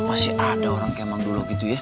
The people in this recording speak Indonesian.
masih ada orang kayak bang duluh gitu ya